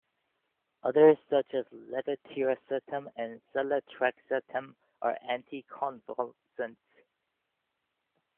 Others such as levetiracetam and seletracetam are anticonvulsants.